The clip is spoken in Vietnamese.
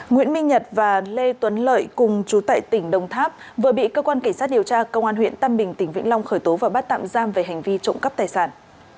nguyễn minh nhật và lê tuấn lợi cùng chú tại tỉnh đồng tháp vừa bị cơ quan cảnh sát điều tra công an huyện tam bình tỉnh vĩnh long khởi tố và bắt tạm giam về hành vi trộm cắp tài sản